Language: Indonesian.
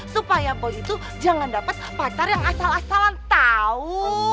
supaya boe itu jangan dapat pacar yang asal asalan tahu